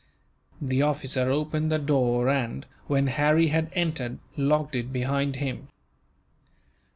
The officer opened the door and, when Harry had entered, locked it behind him.